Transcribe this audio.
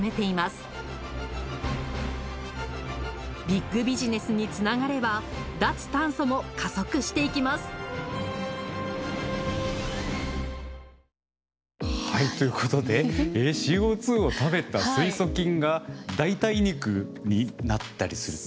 ビッグビジネスにつながれば脱炭素も加速していきますということでＣＯを食べた水素菌が代替肉になったりする。